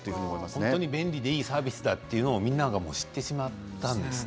本当に便利でいいサービスだということをみんなが知ってしまったんですね。